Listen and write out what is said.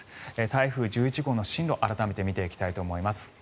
台風１１号の進路を改めて見ていきたいと思います。